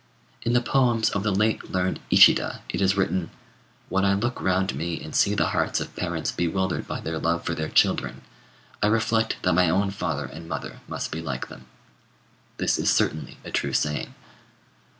In the poems of the late learned Ishida it is written, "When I look round me and see the hearts of parents bewildered by their love for their children, I reflect that my own father and mother must be like them." This is certainly a true saying.